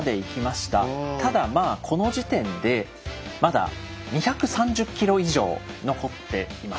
ただまあこの時点でまだ２３０ｋｍ以上残っています。